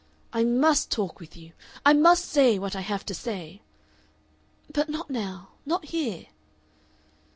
"I MUST talk with you. I must say what I have to say!" "But not now not here."